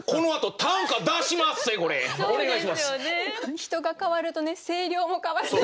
人が変わるとね声量も変わる。